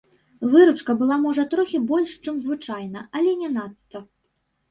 Выручка была можа трохі больш, чым звычайна, але не надта.